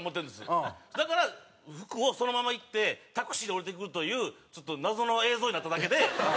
だから服をそのまま行ってタクシーで降りてくるというちょっと謎の映像になっただけで。